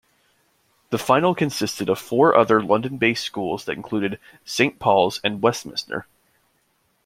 The final consisted of four other London-based schools that included Saint Paul's and Westminster.